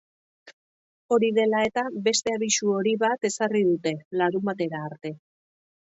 Hori dela eta, beste abisu hori bat ezarri dute, larunbatera arte.